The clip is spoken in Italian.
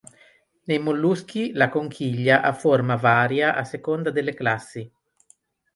Nei Molluschi la conchiglia ha forma varia a seconda delle Classi.